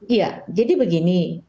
iya jadi begini